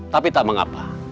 tapi tak mengapa